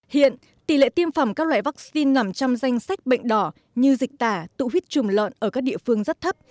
hiện tỷ lệ tiêm phòng các loại vaccine nằm trong danh sách bệnh đỏ như dịch tả tụ huyết trùng lợn ở các địa phương rất thấp